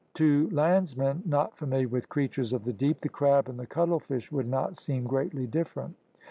To landsmen not familiar with creatures of the deep, the crab and the cuttlefish would not seem greatly different.